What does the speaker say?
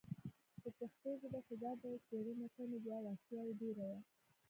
په پښتو ژبه کې دا ډول څیړنې کمې دي او اړتیا یې ډېره ده